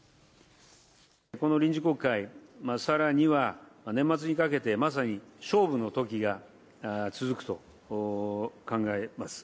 この臨時国会、さらには年末にかけて、まさに勝負のときが続くと考えます。